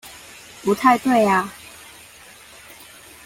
不太對啊！